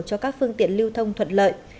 cho các phương tiện lưu thông thuận lợi